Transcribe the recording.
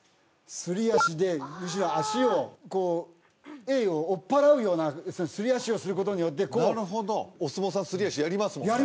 すり足で足をこうエイを追っ払うようなすり足をすることによってなるほどお相撲さんすり足やりますもんね